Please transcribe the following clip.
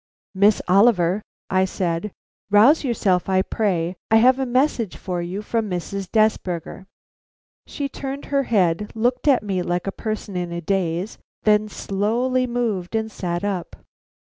"Miss Oliver," I said, "rouse yourself, I pray. I have a message for you from Mrs. Desberger." She turned her head, looked at me like a person in a daze, then slowly moved and sat up.